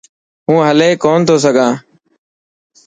هون هلي ڪون ٿو سگھان.